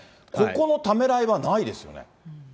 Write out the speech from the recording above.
ここのためらいはないですよね。